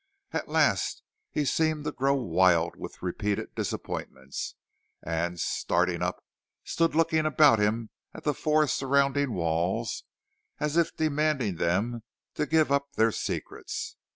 At last he seemed to grow wild with repeated disappointments, and, starting up, stood looking about him at the four surrounding walls, as if demanding them to give up their secrets.